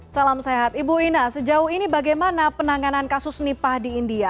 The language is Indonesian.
salam sehat ibu ina sejauh ini bagaimana penanganan kasus nipah di india